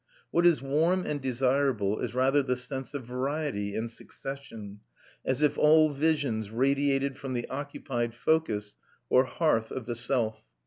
What is warm and desirable is rather the sense of variety and succession, as if all visions radiated from the occupied focus or hearth of the self.